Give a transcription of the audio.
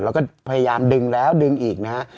แล้วก็พยายามดึงแล้วดึงอีกนะฮะ